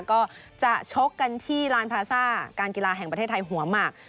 ก็จะชกกันที่ลานพลาซ่าการกีฬาแห่งประเทศไทยหัวหมาก